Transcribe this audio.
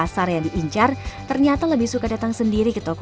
saya suka banget